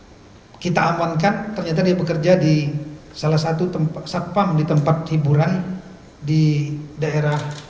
kemudian kita amankan ternyata dia bekerja di salah satu tempat satpam di tempat hiburan di daerah